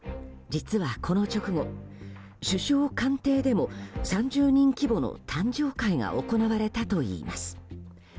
実は、この直後首相官邸でも３０人規模の誕生会が行われたといいます。